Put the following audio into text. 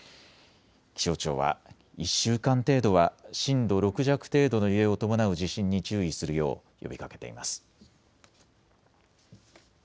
気象庁は１週間程度は震度６弱程度の揺れを伴う地震に注意するよう呼びかけています。